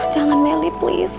jangan meli please